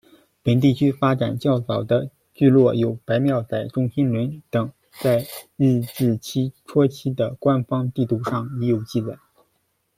本地区发展较早的聚落有白庙仔、中心仑等，在日治期初期的官方地图上已有记载。